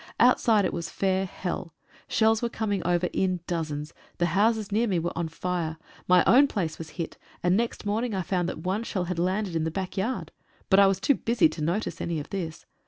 Outside it was fair hell. Shells were coming over in dozens ; the houses near me were on fire; my own place was hit, and next morning I found that one shell had landed in the back yard. But I was too busy to notice any of this.